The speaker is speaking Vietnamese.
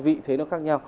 vị thế nó khác nhau